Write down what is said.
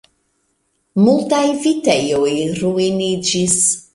Multaj vitejoj ruiniĝis!